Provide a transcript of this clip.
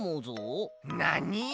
なに？